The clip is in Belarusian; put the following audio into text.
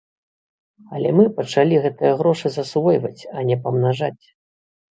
Але мы пачалі гэтыя грошы засвойваць, а не памнажаць.